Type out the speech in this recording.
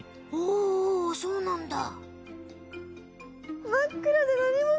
おおそうなんだ。